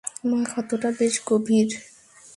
মা, ক্ষতটা বেশ গভীর!